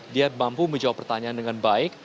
dia mampu menjawab pertanyaan dengan baik